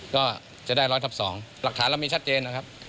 ก็จะได้๑๐๐ทับ๒หลักฐานเรามีชัดเจนนะครับ